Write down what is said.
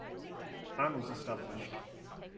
Anne was established.